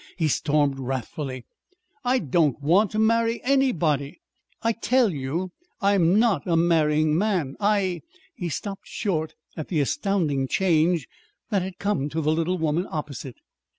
he stormed wrathfully. "I don't want to marry anybody. I tell you I'm not a marrying man! I " He stopped short at the astounding change that had come to the little woman opposite.